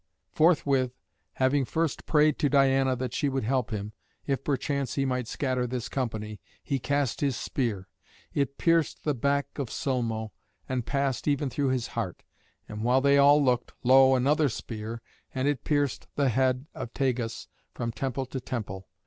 Forthwith, having first prayed to Diana that she would help him, if perchance he might scatter this company, he cast his spear. It pierced the back of Sulmo, and passed even through his heart. And while they all looked, lo! another spear, and it pierced the head of Tagus from temple to temple.